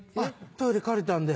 トイレ借りたんで。